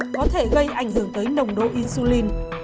có thể gây ảnh hưởng tới nồng độ insulin